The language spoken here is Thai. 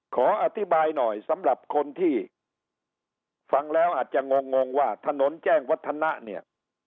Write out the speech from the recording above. ขออธิบายหน่อยสำหรับคนที่ฟังแล้วอาจจะงงงว่าถนนแจ้งวัฒนะเนี่ย